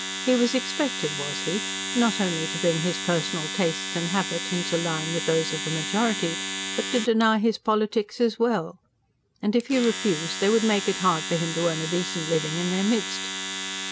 He was expected, was he, not only to bring his personal tastes and habits into line with those of the majority, but to deny his politics as well? And if he refused, they would make it hard for him to earn a decent living in their midst.